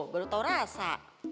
baru tau rasa